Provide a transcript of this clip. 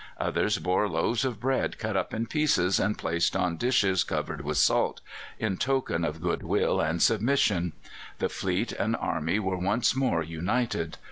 Others bore loaves of bread cut up in pieces and placed on dishes covered with salt, in token of goodwill and submission. The fleet and army were once more united.